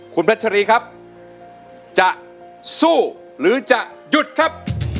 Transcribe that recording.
คุณเพชรรีครับจะสู้หรือจะหยุดครับ